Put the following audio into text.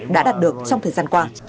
đã đạt được trong thời gian qua